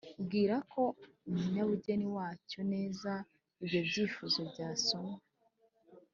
bwira ko umunyabugeni wacyo neza ibyo byifuzo byasomwe